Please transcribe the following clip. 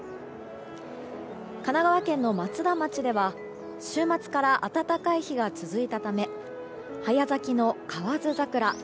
神奈川県の松田町では週末から暖かい日が続いたため早咲きの河津桜